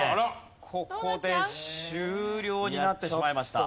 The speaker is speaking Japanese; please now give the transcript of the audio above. ここで終了になってしまいました。